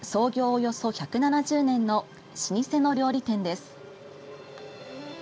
およそ１７０年の老舗の料理店です。